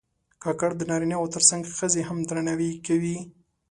کاکړ د نارینه و تر څنګ ښځې هم درناوي کوي.